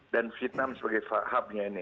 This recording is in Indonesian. dan vietnam sebagai hub nya ini